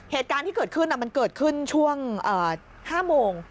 เหตุการณ์ที่เกิดขึ้นมันเกิดขึ้นช่วง๕โมง